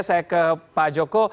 saya ke pak joko